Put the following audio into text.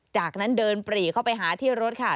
จากนั้นเดินปรีเข้าไปหาที่รถค่ะ